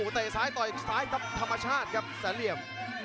เตะซ้ายต่อยซ้ายครับธรรมชาติครับแสนเหลี่ยม